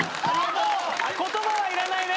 もう言葉はいらないね。